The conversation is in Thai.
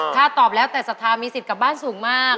ถ้าตอบแล้วแต่ศรัทธามีสิทธิ์กลับบ้านสูงมาก